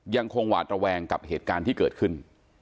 หวาดระแวงกับเหตุการณ์ที่เกิดขึ้น